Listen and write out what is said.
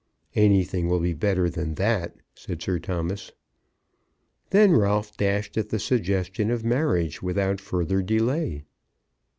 "Anything will be better than that," said Sir Thomas. Then Ralph dashed at the suggestion of marriage without further delay.